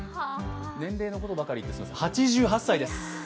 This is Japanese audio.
年齢のことばかり言ってすみません、８８歳です！